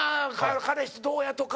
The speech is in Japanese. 「彼氏どうや？」とか。